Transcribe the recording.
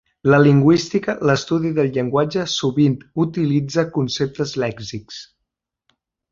La lingüística, l'estudi del llenguatge, sovint utilitza conceptes lèxics.